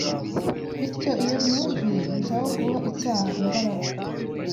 bityo iyo myumvire irushaho guha icyaha imbaraga